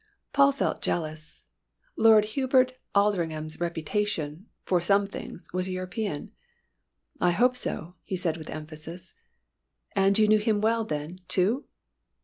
Paul felt jealous. Lord Hubert Aldringham's reputation for some things was European. "I hope so," he said with emphasis. "And you knew him well then, too?"